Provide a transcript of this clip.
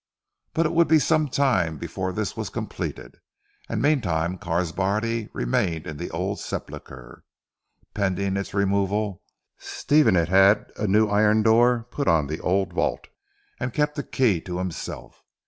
But it would be some time before this was completed, and meantime Carr's body remained in the old sepulchre. Pending its removal, Stephen had had a new iron door put on the old vault, and kept the key to himself.